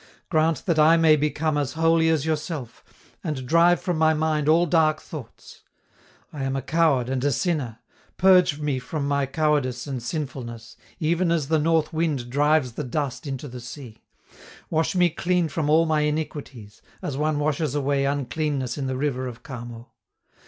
Grant that I may become as holy as yourself, and drive from my mind all dark thoughts. I am a coward and a sinner: purge me from my cowardice and sinfulness, even as the north wind drives the dust into the sea. Wash me clean from all my iniquities, as one washes away uncleanness in the river of Kamo.